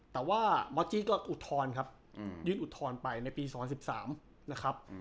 แต่ว่ามอสจี้ก็อุดทอนครับยืนอุดทอนไปในปีสองสิบสามนะครับ